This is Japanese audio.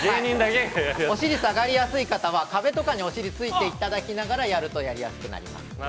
お尻下がりやすい方は壁とかに、お尻ついていただきながらやるとやりやすくなります。